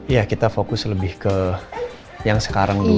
ya kita fokus lebih ke yang sekarang dulu